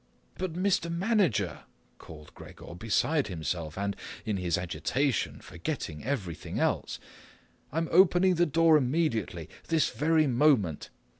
"But Mr. Manager," called Gregor, beside himself and, in his agitation, forgetting everything else, "I'm opening the door immediately, this very moment.